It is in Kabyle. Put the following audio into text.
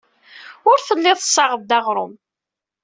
Ur telliḍ tessaɣeḍ-d aɣrum.